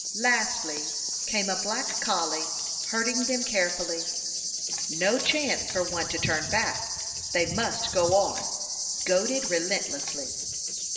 Lastly came a black collie, herding them care fully. No chance for one to turn back; they must go on, goaded relentlessly.